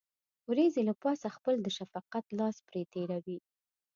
وريځې له پاسه خپل د شفقت لاس پرې تېروي.